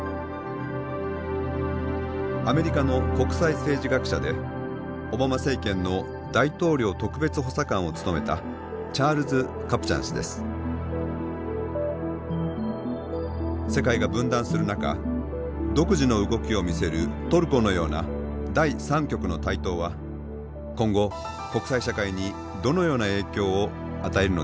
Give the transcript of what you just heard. アメリカの国際政治学者でオバマ政権の大統領特別補佐官を務めた世界が分断する中独自の動きを見せるトルコのような第３極の台頭は今後国際社会にどのような影響を与えるのでしょうか。